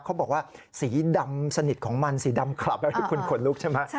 เขาบอกว่าสีดำสนิทของมันสีดำคลับก็คือคุณขนลุกใช่ไหม